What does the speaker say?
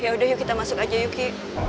ya udah yuk kita masuk aja yuk ki